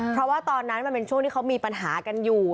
เพราะว่าตอนนั้นมันเป็นช่วงที่เขามีปัญหากันอยู่